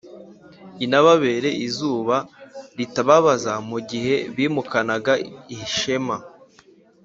inababere izuba ritababaza mu gihe bimukanaga ishema.